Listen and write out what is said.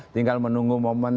tinggal menunggu momen